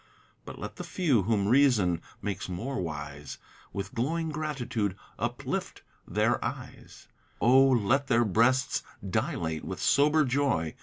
But let the few, whom reason makes more wise, With glowing gratitude uplift their eyes: Oh! let their breasts dilate with sober joy.